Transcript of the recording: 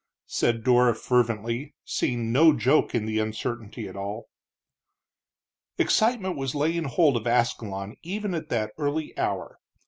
said Dora fervently, seeing no joke in the uncertainty at all. Excitement was laying hold of Ascalon even at that early hour.